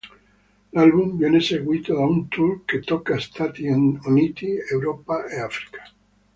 L'album viene seguito da un tour che tocca Stati Uniti, Europa e Africa.